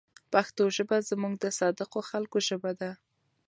پښتو ژبه زموږ د صادقو خلکو ژبه ده.